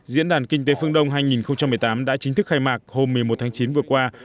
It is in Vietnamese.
diễn đàn kinh tế phương đông hai nghìn một mươi tám đã chính thức khai mạc hôm một mươi một tháng chín vừa qua